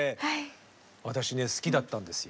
私ね好きだったんですよ。